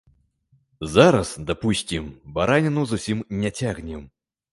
Зараз, дапусцім, бараніну зусім не цягнем.